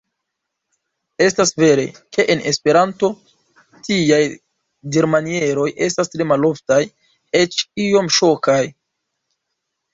Estas vere, ke en Esperanto, tiaj dirmanieroj estas tre maloftaj, eĉ iom ŝokaj.